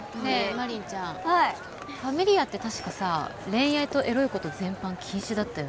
真凛ちゃんはいファミリ家って確かさ恋愛とエロいこと全般禁止だったよね？